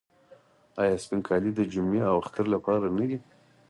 آیا سپین کالي د جمعې او اختر لپاره نه دي؟